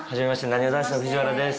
なにわ男子の藤原です。